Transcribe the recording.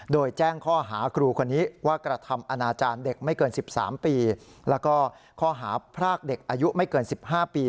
โดยแจ้งข้อหาครูคนนี้ว่ากระทำอนาจารย์เด็กไม่เกิน๑๓ปีแล้วก็ข้อหาพรากเด็กอายุไม่เกิน๑๕ปี